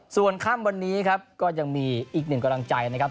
ส่วนค่ำวันนี้ครับก็ยังมีอีกหนึ่งกำลังใจนะครับ